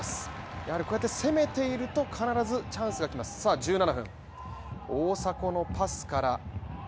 やはりこうやって攻めていると必ずチャンスが来ますさあ大迫のパスから。